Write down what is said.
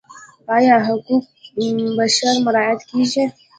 آیا حقوق بشر مراعات کیږي؟